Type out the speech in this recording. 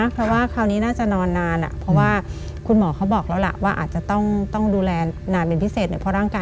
เพราะว่าคราวนี้น่าจะนอนนานอะเพราะว่าคุณหมอเขาบอกแล้วล่ะ